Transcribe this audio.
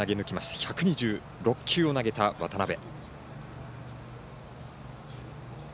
１２６球を投げた渡邊。